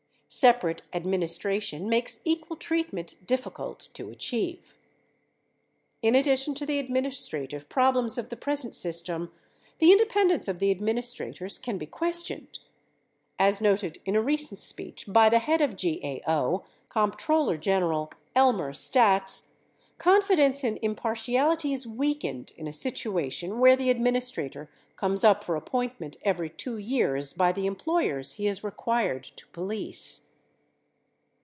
Separate administration makes equal treatment difficult to achieve. In addition to the administrative problems of the present system, the independence of the administrators can be questioned. As noted in a recent speech by the head of GAO, Comptroller General Elmer Staats, confidence in impartiality is weakened in a situation where the administrator comes up for appointment every 2 years by the employ ers he is required to police.